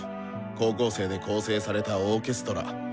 高校生で構成されたオーケストラ。